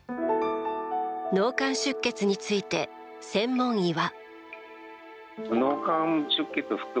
脳幹出血について専門医は。